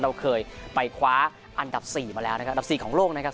เราเคยไปคว้าอันดับ๔มาแล้วนะครับอันดับ๔ของโลกนะครับ